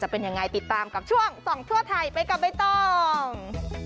เป็นยังไงติดตามกับช่วงส่องทั่วไทยไปกับใบตอง